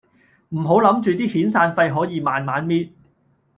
唔好諗住啲遣散費可以慢慢搣